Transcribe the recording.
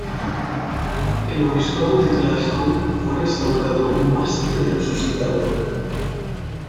El Obispado de Glasgow fue restaurado más que resucitado.